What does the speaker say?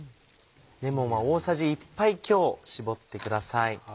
レモンは大さじ１杯強搾ってください。